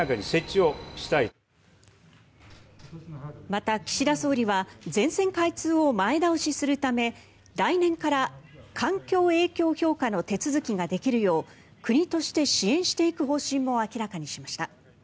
また、岸田総理は全線開通を前倒しするため来年から環境影響評価の手続きができるよう国として支援していく方針も明らかにしました。